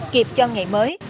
kiệp cho ngày mới